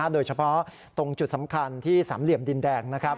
โดยเฉพาะตรงจุดสำคัญที่สามเหลี่ยมดินแดง